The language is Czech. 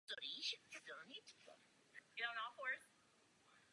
Zasedal v České plánovací komisi.